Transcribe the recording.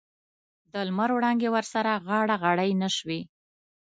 د لمر وړانګې ورسره غاړه غړۍ نه شوې.